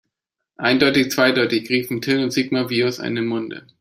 Eindeutig zweideutig, riefen Till und Sigmar wie aus einem Munde.